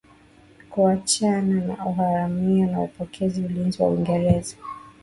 kuachana na uharamia na kupokea ulinzi wa Uingereza